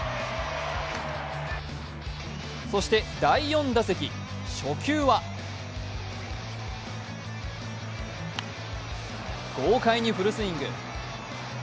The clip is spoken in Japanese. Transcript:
そして第４打席、初球は豪快にフルスイング。